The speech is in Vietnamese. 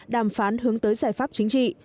đàm phán hướng tới giải pháp chính trị